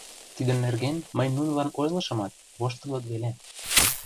Тидын нерген мый нунылан ойлышымат, воштылыт веле.